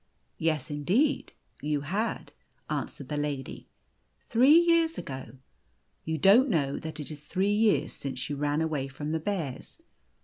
" Yes, indeed you had," answered the lady " three years ago. You don't know that it is three years since you ran away from the bears.